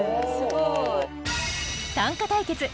すごい！短歌対決